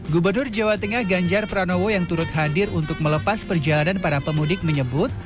gubernur jawa tengah ganjar pranowo yang turut hadir untuk melepas perjalanan para pemudik menyebut